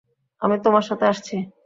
আমি তোমার সাথে আসছি।